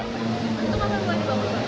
itu berapa jumlah